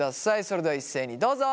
それでは一斉にどうぞ。